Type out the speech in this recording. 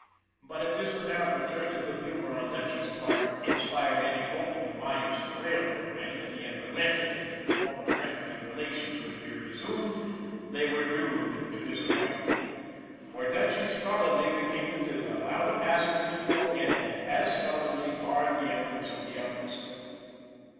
But if this apparent return to good humor on Dutchy's part inspired any hope in the minds of the railroad men that he had relented and that former friendly relations were to be resumed, they were doomed to disappointment, for Dutchy stolidly con tinued to allow the passengers to go in and as stolidly barred the entrance to the others.